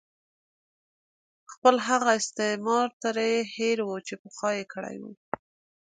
خپل هغه استثمار ترې هېر وو چې پخوا یې کړې وه.